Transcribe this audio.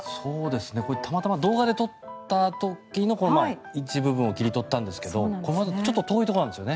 これ、たまたま動画で撮った時の一部分を切り取ったんですがちょっと遠いところなんですね。